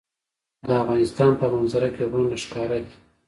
د افغانستان په منظره کې غرونه ښکاره ده.